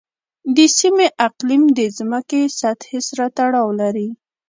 د سیمې اقلیم د ځمکې سطحې سره تړاو لري.